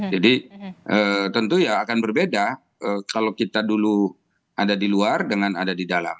jadi tentu ya akan berbeda kalau kita dulu ada di luar dengan ada di dalam